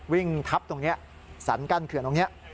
วิ่งทับตรงนี้สรรกั้นเขื่อนตรงนี้